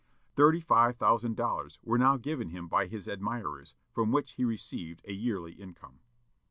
Thirty five thousand dollars were now given him by his admirers, from which he received a yearly income.